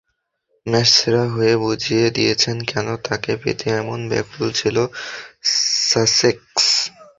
ম্যাচসেরা হয়ে বুঝিয়ে দিয়েছেন কেন তাঁকে পেতে এমন ব্যাকুল ছিল সাসেক্স।